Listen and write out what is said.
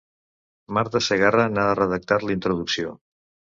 Marta Segarra n'ha redactat la introducció.